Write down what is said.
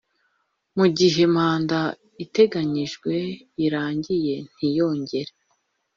Mu gihe manda iteganyijwe irangiye ntiyongere